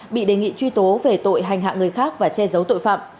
bị đề nghị truy tố về tội hành hạ người khác và che giấu tội phạm